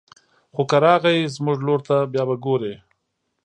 خو که راغی زموږ لور ته بيا به ګوري